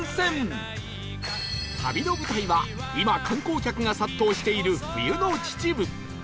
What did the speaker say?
旅の舞台は今観光客が殺到している冬の秩父